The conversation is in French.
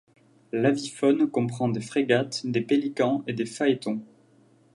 L'avifaune comprend des frégates, des pélicans et des phaétons.